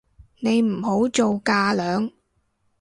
你唔好做架樑